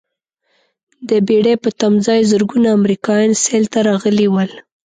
د بېړۍ په تمځاې زرګونه امریکایان سیل ته راغلي ول.